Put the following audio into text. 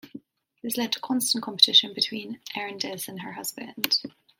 This led to constant competition between Erendis and her husband.